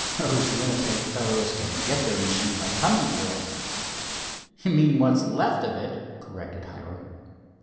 Those Winnipeg fellows can get their machine by coming for it." "You mean what is left of it," corrected Hiram.